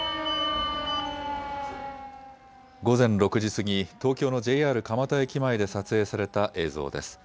午前６時過ぎ、東京のＪＲ蒲田駅前で撮影された映像です。